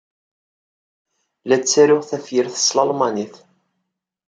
La ttaruɣ tafyirt s talmanit.